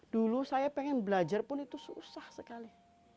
dulu saya pengen belajar pun itu susah sekali